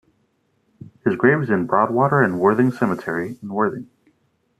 His grave is in Broadwater and Worthing Cemetery in Worthing.